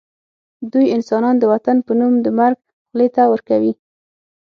دوی انسانان د وطن په نوم د مرګ خولې ته ورکوي